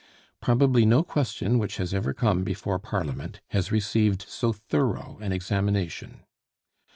Probably no question which has ever come before Parliament has received so thorough an examination.